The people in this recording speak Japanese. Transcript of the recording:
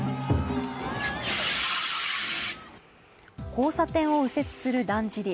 交差点を右折するだんじり。